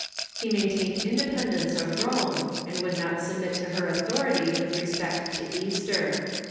He maintained independence of Rome, and would not submit to her authority with respect to Easter.